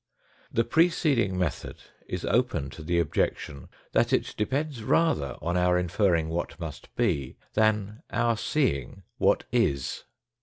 The preceding method is open to the objection that it depends rather on our inferring what must be, than our seeing what is.